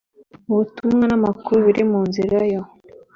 ubutumwa n amakuru biri mu nzira yo